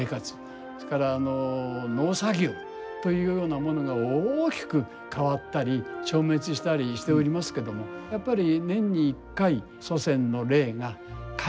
それから農作業というようなものが大きく変わったり消滅したりしておりますけどもやっぱり年に１回祖先の霊が帰ってきてくれる。